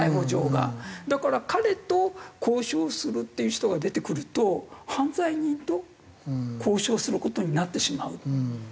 だから彼と交渉するっていう人が出てくると犯罪人と交渉する事になってしまう。